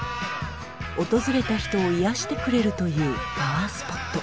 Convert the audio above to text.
訪れた人を癒やしてくれるというパワースポット。